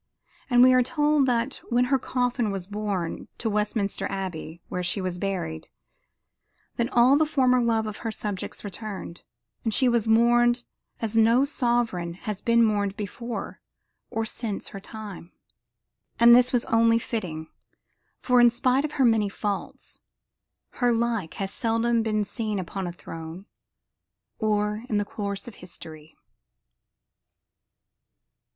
And we are told that when her coffin was borne to Westminster Abbey, where she was buried, that all the former love of her subjects returned and she was mourned as no sovereign has been mourned before or since her time. And this was only fitting, for in spite of her many faults, her like has seldom been seen upon a throne or in the course of history.